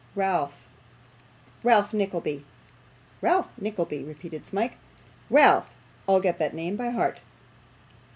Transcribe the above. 'Ralph Ralph Nickleby.' 'Ralph Nickleby,' repeated Smike. 'Ralph. I'll get that name by heart.